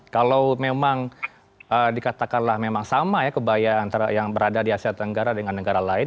kalau memang dikatakanlah memang sama ya kebaya antara yang berada di asia tenggara dengan negara lain